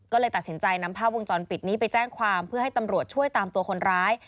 ก็เลยตัดสินใจนำภาพวงจรปิดนี้ไปแจ้งความเพื่อให้ตำรวจช่วยตามตัวคนร้าย